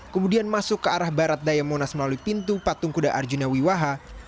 kemudian masuk ke arah barat daya monas melalui pintu patung kuda arjuna wiwaha